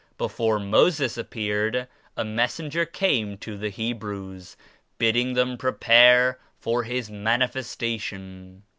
Before Moses appeared, a messenger came to 85 the Hebrews bidding them prepare for His Manifestation.